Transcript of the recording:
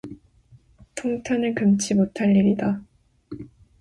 통탄을 금치 못할 일이다!